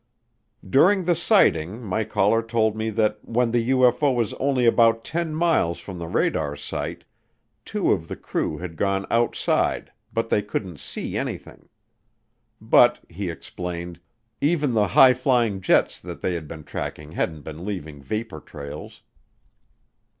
During the sighting my caller told me that when the UFO was only about ten miles from the radar site two of the crew had gone outside but they couldn't see anything. But, he explained, even the high flying jets that they had been tracking hadn't been leaving vapor trails.